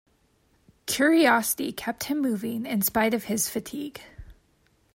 Curiosity kept him moving in spite of his fatigue.